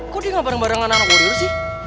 kok dia gak bareng barengan anak kurir sih